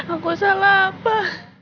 aku salah apa